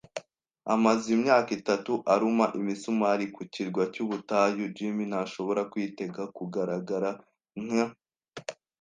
amaze imyaka itatu aruma imisumari ku kirwa cyubutayu, Jim, ntashobora kwitega kugaragara nk